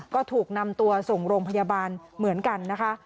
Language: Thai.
ก็ถูกนำตัวส่งโรงพยาบาลเหมือนกันนะคะ